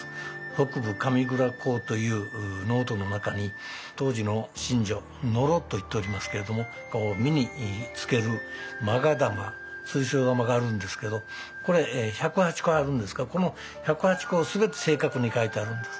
「北部神座考」というノートの中に当時の神女ノロといっておりますけれども身につけるまが玉水晶玉があるんですけどこれ１０８個あるんですがこの１０８個を全て正確に描いてあるんです。